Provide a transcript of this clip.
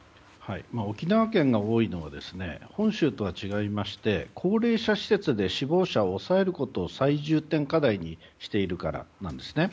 沖縄県が多いのは本州と違いまして高齢者施設で死亡者を抑えることを最重点課題にしているからです。